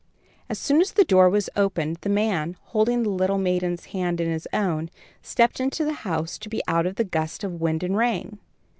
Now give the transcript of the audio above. As soon as the door was opened, the man, holding the little maiden's hand in his own, stepped into the house to be out of the gust of wind and rain.